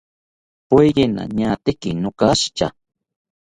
Poyena niatakite nokashitya